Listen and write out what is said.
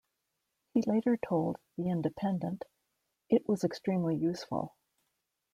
He later told "The Independent": "It was extremely useful.